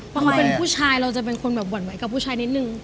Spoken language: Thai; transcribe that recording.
เพราะเขาเป็นผู้ชายเราจะเป็นคนแบบหวั่นไหวกับผู้ชายนิดนึง